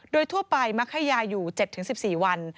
โดยทั่วไปมักให้ยาอยู่๗๑๔วัน